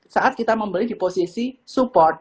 saat kita membeli di posisi support